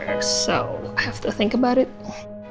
jadi saya harus berpikir tentang itu